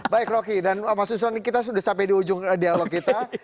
baik rocky dan mas suson kita sudah sampai di ujung dialog kita